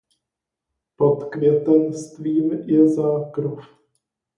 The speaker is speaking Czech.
Pod květenstvím je zákrov.